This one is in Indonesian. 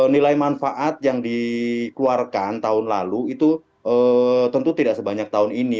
nilai manfaat yang dikeluarkan tahun lalu itu tentu tidak sebanyak tahun ini